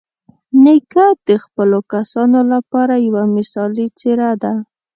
نیکه د خپلو کسانو لپاره یوه مثالي څېره ده.